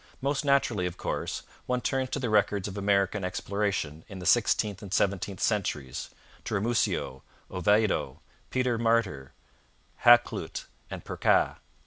Most naturally, of course, one turns to the records of American exploration in the sixteenth and seventeenth centuries to Ramusio, Oviedo, Peter Martyr, Hakluyt, and Purchas.